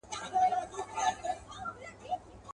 راغی پر نړۍ توپان ګوره چي لا څه کیږي.